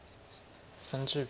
３０秒。